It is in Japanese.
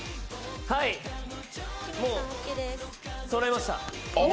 はい、もうそろいました。